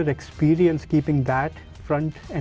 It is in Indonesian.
memastikan itu di depan dan di tengah